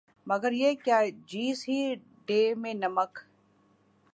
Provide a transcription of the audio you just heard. مگر یہ کیا جیس ہی ڈے میں نمک